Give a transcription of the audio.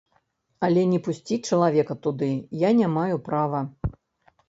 Але не пусціць чалавека туды я не маю права.